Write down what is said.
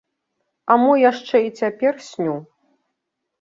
А мо яшчэ і цяпер сню?